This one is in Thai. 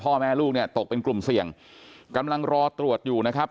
พ่อแม่ลูกเนี่ยตกเป็นกลุ่มเสี่ยงกำลังรอตรวจอยู่นะครับ